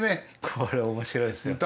これ面白いですよ。